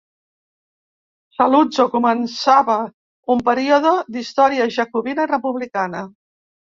Saluzzo començava un període d'història jacobina i republicana.